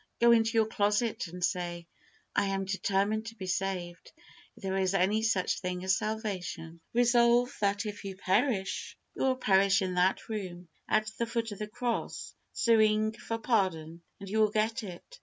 Go into your closet and say, "I am determined to be saved, if there is any such thing as salvation." Resolve that if you perish, you will perish in that room, at the foot of the cross, suing for pardon, and you will get it.